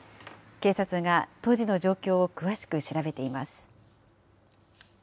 警察が当時の状況を詳しく調べています。